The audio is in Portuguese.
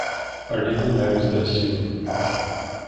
Arlindo Neves da Silva